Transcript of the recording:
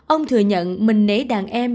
ông thừa nhận mình nể đàn em